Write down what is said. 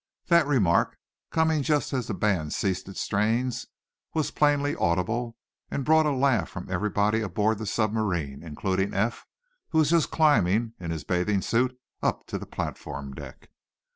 That remark, coming just as the band ceased its strains, was plainly audible, and brought a laugh from everyone aboard the submarine, including Eph, who was just climbing, in his bathing suit, up to the platform deck.